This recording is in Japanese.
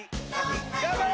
頑張れ！